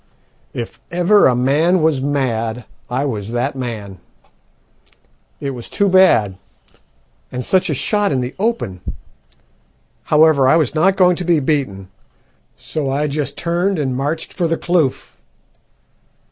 "If ever a man was mad I was that man. It was too bad; and such a shot in the open! However, I was not going to be beaten, so I just turned and marched for the kloof.